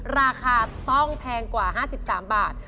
ราคาต้องแพงกว่า๕๓บาท